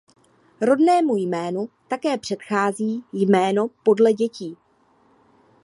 Rodnému jménu také předchází jméno podle dětí.